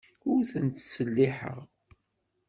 Ur ten-ttselliḥeɣ.